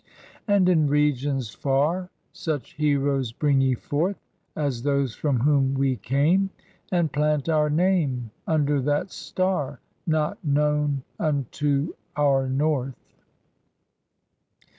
••• And in regions far Such heroes bring ye forth As those from whom we came; And plant our name Under that star Not known unto our north.